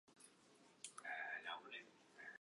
公平贸易双周是一项庆祝公平贸易的活动。